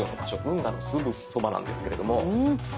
運河のすぐそばなんですけれども。